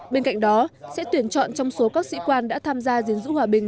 bên cạnh đó sẽ tuyển chọn trong số các sĩ quan đã tham gia dình dữ hòa bình